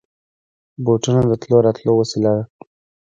بوټونه د تلو راتلو وسېله ده.